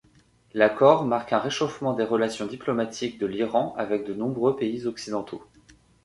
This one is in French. L'accord marque un réchauffement des relations diplomatiques de l'Iran avec de nombreux pays occidentaux.